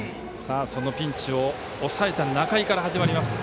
そのピンチを抑えた仲井から始まります。